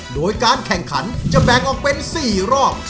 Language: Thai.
โดยการแข่งขันจะแบ่งออกเป็น๔รอบ